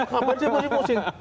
ngapain sih musim musim